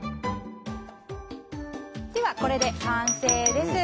ではこれで完成です！